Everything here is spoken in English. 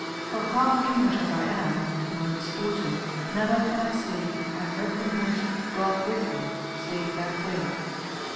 for half English as I am (To my misfortune) never can I say I heard them wish 'God with you,' save that way."